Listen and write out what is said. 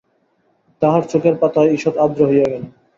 তাঁহার চোখের পাতা ঈষৎ আর্দ্র হইয়া গেল।